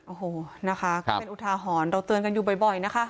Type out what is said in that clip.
โอ้โหนะคะก็เป็นอุทาหรณ์เราเตือนกันอยู่บ่อยนะคะ